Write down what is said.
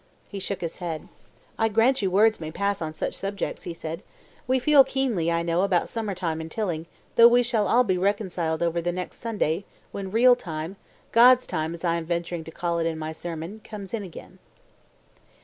He shook his head. "I grant you words may pass on such subjects," he said. "We feel keenly, I know, about summer time in Tilling, though we shall all be reconciled over that next Sunday, when real time, God's time, as I am venturing to call it in my sermon, comes in again."